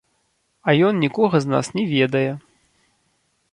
А ён нікога з нас не ведае.